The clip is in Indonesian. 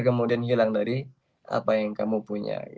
kemudian hilang dari apa yang kamu punya